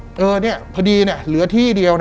พอดีเนี่ยเหลือที่เดียว